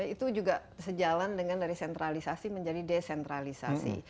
itu juga sejalan dengan dari sentralisasi menjadi desentralisasi